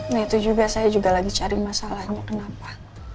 nah itu juga saya juga lagi cari masalahnya kenapa